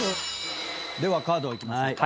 ではカードいきましょうか。